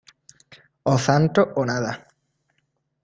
Y repetía: "O santo, o nada".